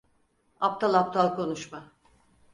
Aptal aptal konuşma.